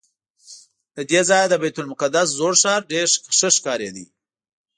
له دې ځایه د بیت المقدس زوړ ښار ډېر ښه ښکارېده.